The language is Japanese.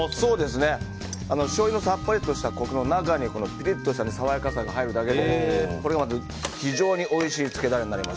しょうゆのさっぱりとしたコクの中に、ピリッとした爽やかさが入るだけで非常においしいつけダレになります。